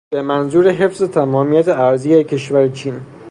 به منظور حفظ تمامیت ارضی کشور چین